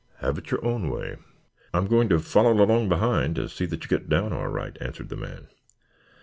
"Have it your own way. I'm going to follow along behind, to see that you get down all right," answered the man.